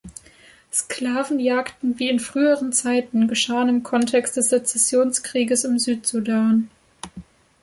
Sklavenjagden wie in früheren Zeiten geschahen im Kontext des Sezessionskrieges im Südsudan.